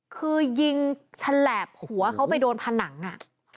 คือยิงฉลาบหัวเขาไปโดนผนังอ่ะ